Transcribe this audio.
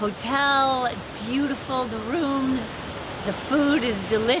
hotelnya indah ruangnya indah makanannya enak